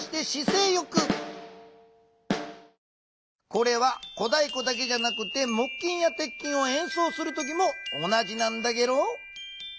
これは小だいこだけじゃなくてもっきんやてっきんをえんそうする時も同じなんだゲロ。